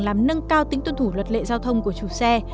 làm nâng cao tính tuân thủ luật lệ giao thông của chủ xe